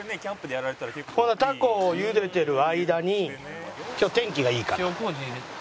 ほんならタコを茹でてる間に今日天気がいいから。